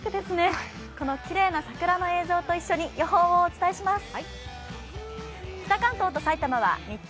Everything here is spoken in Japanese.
このきれいな桜の映像と一緒に予報をお伝えします。